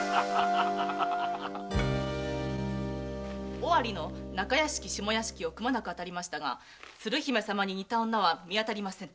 尾張の中屋敷下屋敷をくまなく当たりましたが鶴姫様に似た女は見当たりませぬ。